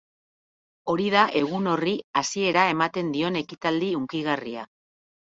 Hori da egun horri hasiera ematen dion ekitaldi hunkigarria.